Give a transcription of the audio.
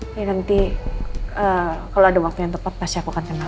ini nanti kalau ada waktu yang tepat pasti aku akan kenal